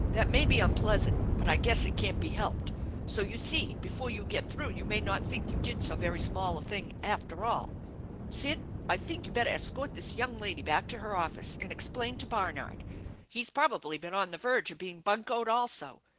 That may be unpleasant, but I guess it can't be helped, so you see before you get through you may not think you did so very small a thing after all. Sid, I think you better escort this young lady back to her office and explain to Barnard. He's probably been on the verge of being buncoed also.